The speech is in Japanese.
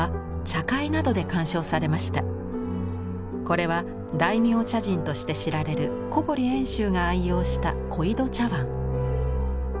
これは大名茶人として知られる小堀遠州が愛用した小井戸茶碗。